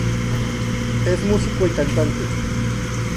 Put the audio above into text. Es músico y cantante.